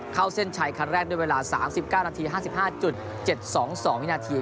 เข้าเส้นชัยคันแรกด้วยเวลา๓๙นาที๕๕๗๒๒วินาที